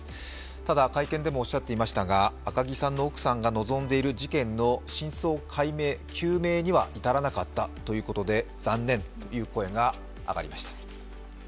ただ、会見でもおっしゃっていましたが、赤木さんの奥さんが望んでいる事件の真相解明・究明には至らなかったということで残念という声が上がりました。